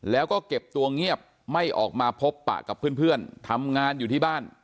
แล้วก็เก็บตัวเงียบไม่ออกมาพบปะกับเพื่อนทำงานอยู่ที่บ้าน